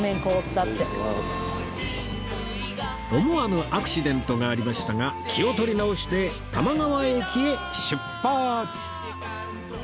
思わぬアクシデントがありましたが気を取り直して多摩川駅へ出発！